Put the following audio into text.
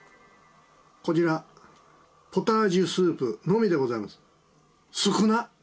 こちらポタージュスープのみでございます